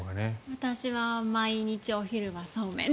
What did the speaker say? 私は毎日お昼はそうめん。